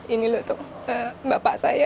ini lho tuh bapak saya